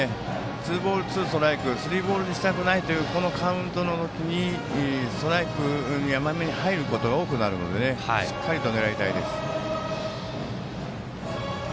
ツーボール、ツーストライクとスリーボールにしたくないというこのカウントの時にストライクに甘めに入ることが多くなるのでしっかり狙いたいです。